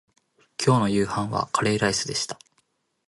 今日の夕飯はカレーライスでした